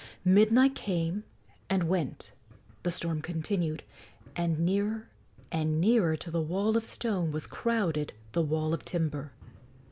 Midnight came and went; the storm continued, and nearer and nearer to the wall of stone was crowded the wall of timber.